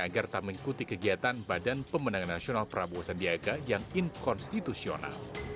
agar tak mengikuti kegiatan badan pemenangan nasional prabowo sandiaga yang inkonstitusional